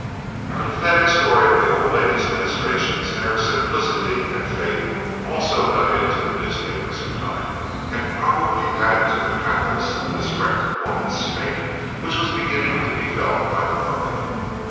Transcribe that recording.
The pathetic story of the old lady's ministrations, and her simplicity and faith, also got into the newspapers in time, and probably added to the pathos of this wrecked woman's fate, which was beginning to be felt by the public.